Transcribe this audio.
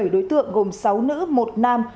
bảy đối tượng gồm sáu nữ một nam